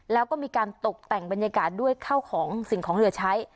แล้วก็มีการตกแต่งบรรยากาศด้วยเข้าของสิ่งของเหลือใช้